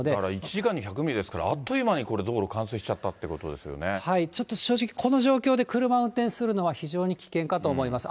１時間に１００ミリですから、あっという間に道路冠水しちゃっはい、ちょっと正直この状況で車運転するのは非常に危険かと思います。